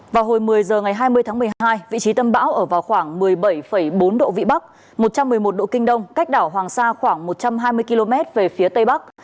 vào hồi một mươi h ngày hai mươi tháng một mươi hai vị trí tâm bão ở vào khoảng một mươi bảy bốn độ vĩ bắc một trăm một mươi một độ kinh đông cách đảo hoàng sa khoảng một trăm hai mươi km về phía tây bắc